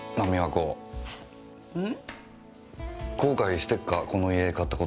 うん。